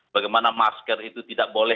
bagaimana masker itu tidak boleh